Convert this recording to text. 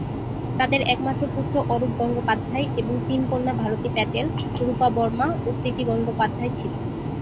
তাদের একমাত্র পুত্র অরূপ গঙ্গোপাধ্যায় এবং তিন কন্যা ভারতী প্যাটেল, রূপা বর্মা ও প্রীতি গঙ্গোপাধ্যায় ছিল।